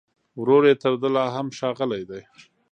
ورور يې تر ده لا هم ښاغلی دی